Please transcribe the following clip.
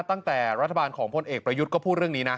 ตั้งแต่รัฐบาลของพลเอกประยุทธ์ก็พูดเรื่องนี้นะ